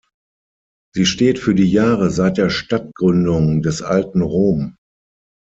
Sie steht für die Jahre „seit der Stadtgründung“ des Alten Rom.